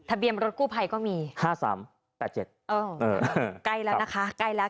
ทะเบียมรถกู้ไภก็มีห้าสามแต่เจ็ดเออใกล้แล้วนะคะใกล้แล้ว